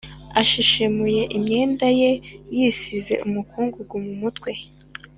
ashishimuye imyenda ye, yisīze umukungugu mu mutwe